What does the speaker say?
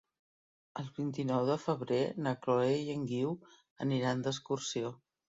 El vint-i-nou de febrer na Chloé i en Guiu aniran d'excursió.